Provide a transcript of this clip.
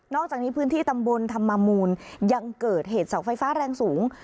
อกจากนี้พื้นที่ตำบลธรรมมูลยังเกิดเหตุเสาไฟฟ้าแรงสูง